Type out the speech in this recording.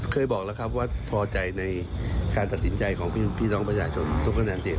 เคยบอกแล้วครับว่าพอใจในการตัดสินใจของพี่น้องประชาชนทุกคะแนนเสียง